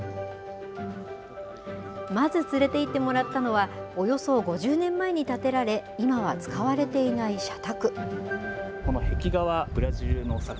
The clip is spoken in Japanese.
まず連れていってもらったのは、およそ５０年前に建てられ、今は使われていない社宅。